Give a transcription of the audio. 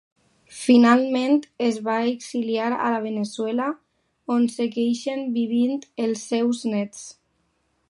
Finalment, es va exiliar a Veneçuela on segueixen vivint els seus néts.